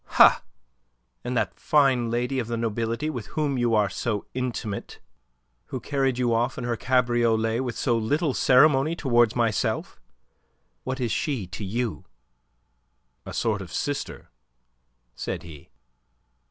"Ha! And that fine lady of the nobility with whom you are so intimate, who carried you off in her cabriolet with so little ceremony towards myself? What is she to you?" "A sort of sister," said he.